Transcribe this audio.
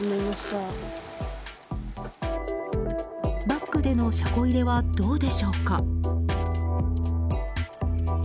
バックでの車庫入れはどうでしょうか。